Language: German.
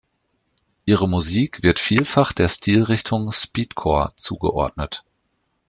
Ihre Musik wird vielfach der Stilrichtung Speedcore zugeordnet.